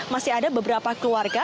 masih ada beberapa keluarga